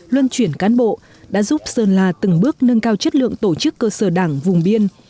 luân chuyển cán bộ đã giúp sơn la từng bước nâng cao chất lượng tổ chức cơ sở đảng vùng biên